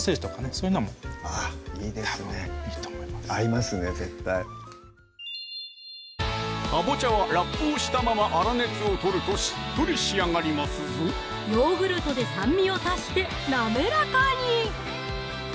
そういうのもいいと思います合いますね絶対かぼちゃはラップをしたまま粗熱を取るとしっとり仕上がりますぞヨーグルトで酸味を足して滑らかに！